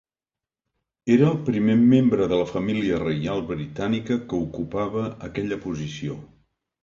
Era el primer membre de la família reial britànica que ocupava aquella posició.